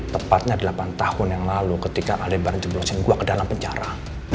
tepatnya delapan tahun yang lalu ketika ada barang jeblosin gue ke dalam penjara